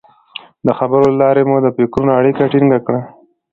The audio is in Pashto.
د خبرو له لارې مو د فکرونو اړیکه ټینګه کړه.